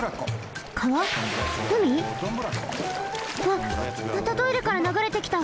わっまたトイレからながれてきた。